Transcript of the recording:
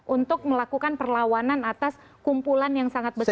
untuk melakukan perlawanan atas kumpulan yang sangat besar